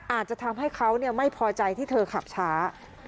อาจจะทำให้เขาไม่พอใจที่เธอขับช้า